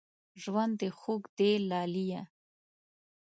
ژوند دې خوږ دی لالیه